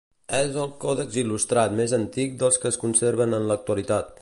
És el còdex il·lustrat més antic dels que es conserven en l'actualitat.